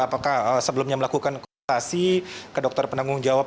apakah sebelumnya melakukan kuotasi ke dokter penanggung jawab